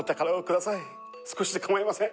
少しでかまいません。